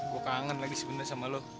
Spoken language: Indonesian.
gue kangen lagi sebenarnya sama lo